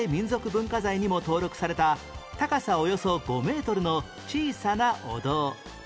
文化財にも登録された高さおよそ５メートルの小さなお堂